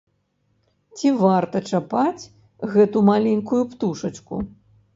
Ці варта чапаць гэту маленькую птушачку?